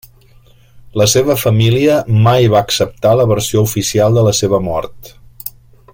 La seva família mai va acceptar la versió oficial de la seva mort.